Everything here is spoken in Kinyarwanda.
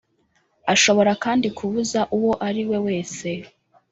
Ashobora kandi kubuza uwo ari we wese